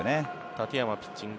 建山ピッチング